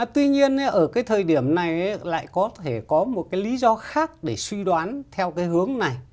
tuy nhiên ở cái thời điểm này lại có thể có một cái lý do khác để suy đoán theo cái hướng này